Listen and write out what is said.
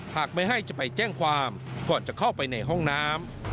หากไม่ให้จะไปแจ้งความก่อนจะเข้าไปในห้องน้ำ